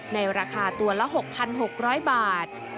ในราคาตัวละ๖๖๐๐บาท